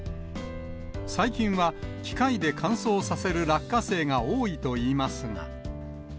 最近は機械で乾燥させる落花生がおおいといいますが。